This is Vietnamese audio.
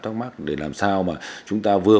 thắc mắc để làm sao mà chúng ta vừa